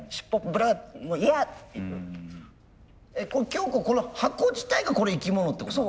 きょうここの箱自体がこれ生き物ってこと？